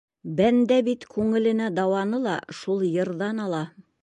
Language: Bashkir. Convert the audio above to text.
Бәндә бит күңеленә дауаны ла шул йырҙан ала.